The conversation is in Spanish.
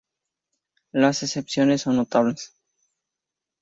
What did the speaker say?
Las excepciones son notables.